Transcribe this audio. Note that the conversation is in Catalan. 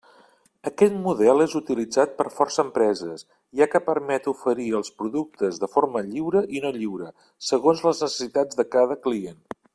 Aquest model és utilitzat per força empreses, ja que permet oferir els productes de forma lliure i no lliure segons les necessitats de cada client.